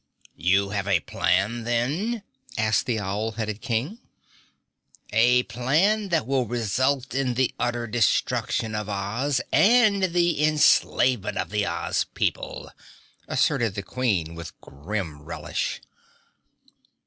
"You have a plan then?" asked the owl headed King. "A plan that will result in the utter destruction of Oz and the enslavement of the Oz people," asserted the Queen with grim relish.